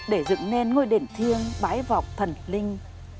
để dựng nên ngôi đền thiêng bãi vọc thần linh